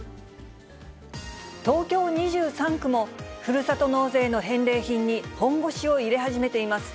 東京２３区も、ふるさと納税の返礼品に本腰を入れ始めています。